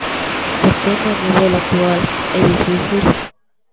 Porque no nivel actual, é difícil.